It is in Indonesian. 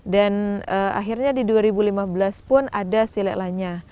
dan akhirnya di dua ribu lima belas pun ada silek lanya